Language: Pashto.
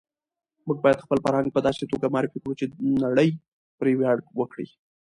موږ باید خپل فرهنګ په داسې توګه معرفي کړو چې نړۍ پرې ویاړ وکړي.